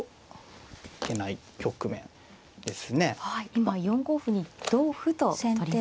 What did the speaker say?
今４五歩に同歩と取りました。